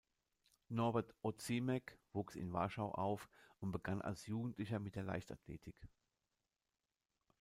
Norbert Ozimek wuchs in Warschau auf und begann als Jugendlicher mit der Leichtathletik.